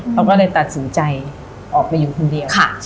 เขาก็เลยตัดสินใจออกไปอยู่คนเดียว